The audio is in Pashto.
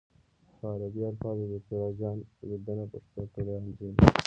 په عربي الفبا د دوکتور جان لیدن پښتو کړی انجیل